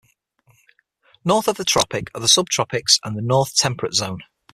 North of the tropic are the subtropics and the North Temperate Zone.